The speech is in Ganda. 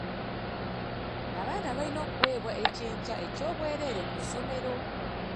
Abaana balina okuweebwa ekyenkya eky'obwereere ku ssomero.